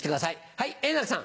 はい円楽さん。